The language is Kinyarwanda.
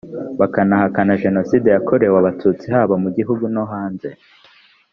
bakanahakana jenoside yakorewe abatutsi haba mu gihugu no hanze